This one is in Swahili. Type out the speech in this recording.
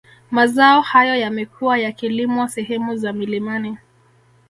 Mazao hayo yamekuwa yakilimwa sehemu za milimani